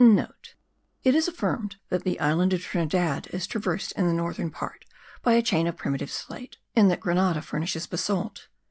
(* It is affirmed that the island of Trinidad is traversed in the northern part by a chain of primitive slate, and that Grenada furnishes basalt.